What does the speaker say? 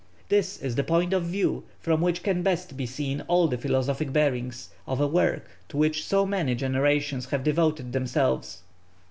This is the point of view from which can best be seen all the philosophic bearings of a work to which so many generations have devoted themselves.